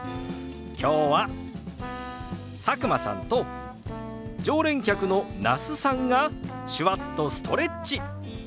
今日は佐久間さんと常連客の那須さんが手話っとストレッチ。